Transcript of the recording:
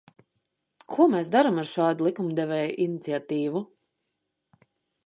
Ko mēs darām ar šādu likumdevēju iniciatīvu?